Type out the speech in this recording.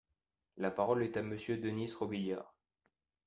La parole est à Monsieur Denys Robiliard.